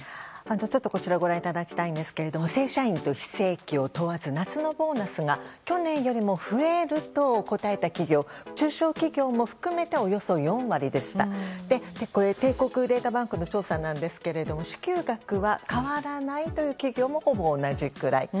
こちら見ていただきたいんですが正社員・非正規問わず夏のボーナスが去年よりも増えると答えた企業、中小企業も含めたおよそ４割でした。これは帝国データバンクの調査ですが支給額は変わらないという企業もほぼ同じぐらい。